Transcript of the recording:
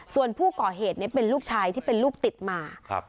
ส่วนผู้ก่อเหตุเป็นลูกชายที่เป็นลูกติดมา